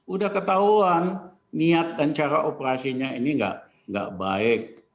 udah ketahuan niat dan cara operasinya ini nggak baik